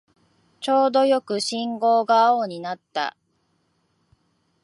ちょうどよく信号が青になった